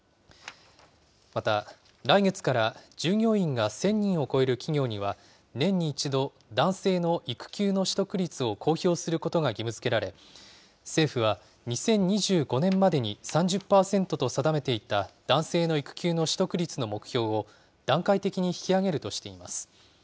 また、来月から従業員が１０００人を超える企業には、年に１度、男性の育休の取得率を公表することが義務づけられ、政府は２０２５年までに３０％と定めていた男性の育休の取得率の目標を、段階的に引き上げるとしています。